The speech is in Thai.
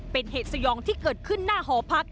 เป็นเหตุสยองที่เกิดขึ้นหน้าหอพัก